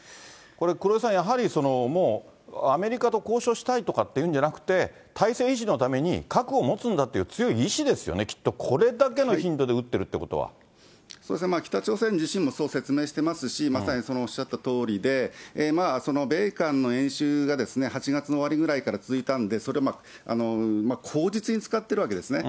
これ、黒井さん、やはりもうアメリカと交渉したいとかっていうんじゃなくて、体制維持のために、核を持つんだという強い意思ですよね、これだけのそうですね、北朝鮮自身もそう説明してますし、まさにそのおっしゃったとおりで、米韓の演習が８月の終わりぐらいから続いたんで、それをまあ、口実に使ってるんですね。